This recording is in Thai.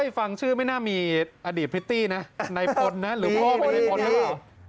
ฟังชื่อไม่น่ามีอดีตพริตตี้นะในพลนะหรือพ่อเป็นในพลหรือเปล่า